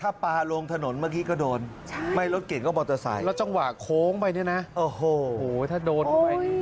ถ้าปลาลงถนนเมื่อกี้ก็โดนไม่รถเก่งก็มอเตอร์ไซค์แล้วจังหวะโค้งไปเนี่ยนะโอ้โหถ้าโดน